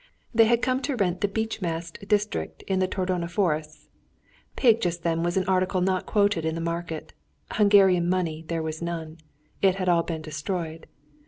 They had come to rent the beech mast district in the Tordona forests. Pig just then was an article not quoted in the market. Hungarian money there was none. It had all been destroyed.